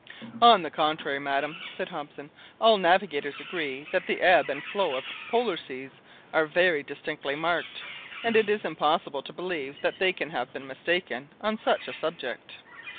"On the contrary, madam," said Hobson, "all navigators agree that the ebb and flow of Polar seas are very distinctly marked, and it is impossible to believe that they can have been mistaken on such a subject."